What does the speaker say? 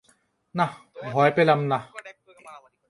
না, ভয় পেলাম না!